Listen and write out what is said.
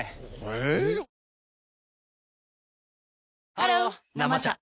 ハロー「生茶」